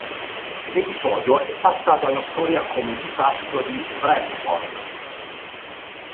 L'episodio è passato alla storia come "Disastro di Bradford".